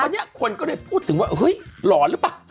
ตอนนี้คนก็เลยพูดถึงว่าเฮ้ยหลอนหรือเปล่า